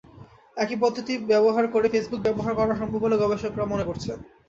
একই পদ্ধতি ব্যবহার করে ফেসবুক ব্যবহার করাও সম্ভব বলে গবেষকেরা মনে করছেন।